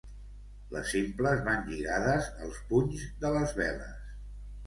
Les simples van lligades als punys de les veles.